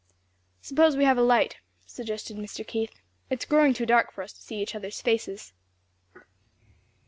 "Suppose we have a light," suggested Mr. Keith, "it's growing too dark for us to see each other's faces."